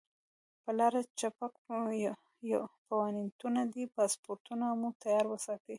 پر لاره چیک پواینټونه دي پاسپورټونه مو تیار وساتئ.